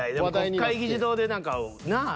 国会議事堂で何かなあ